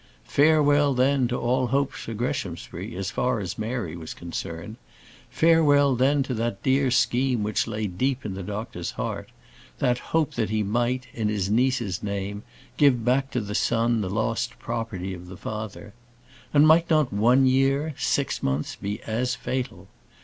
Farewell then to all hopes for Greshamsbury, as far as Mary was concerned. Farewell then to that dear scheme which lay deep in the doctor's heart, that hope that he might, in his niece's name, give back to the son the lost property of the father. And might not one year six months be as fatal.